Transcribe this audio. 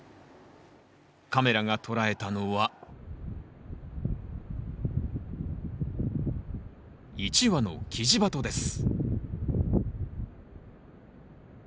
カメラが捉えたのは１羽のキジバトです